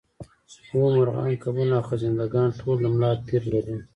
هو مارغان کبونه او خزنده ګان ټول د ملا تیر لري